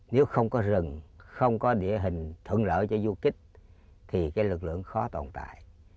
nếu không có rừng không có địa hình thuận lợi cho du kích thì cái lực lượng khó tồn tại